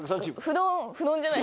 「ふどん」じゃない。